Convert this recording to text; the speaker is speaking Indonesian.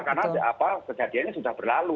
karena kejadiannya sudah berlalu